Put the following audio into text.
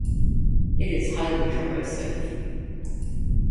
It is highly corrosive.